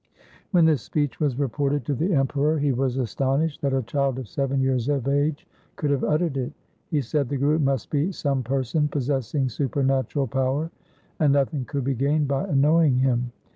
When this speech was reported to the Emperor, LIFE OF GURU HAR KRISHAN 323 he was astonished that a child of seven years of age could have uttered it. He said the Guru must be some person possessing supernatural power, and nothing could be gained by annoying him.